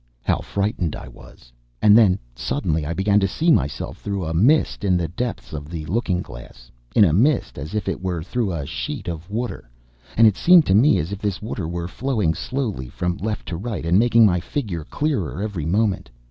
How frightened I was! And then suddenly I began to see myself through a mist in the depths of the looking glass, in a mist as it were through a sheet of water; and it seemed to me as if this water were flowing slowly from left to right, and making my figure clearer every moment.